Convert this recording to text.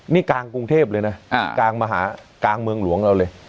นี่กลางกรุงเทพเลยนะกลางมหากลางเมืองหลวงเราเลย